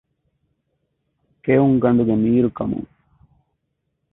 ކެއުންގަނޑުގެ މީރު ކަމުން